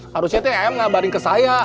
harusnya si em ngabarin ke saya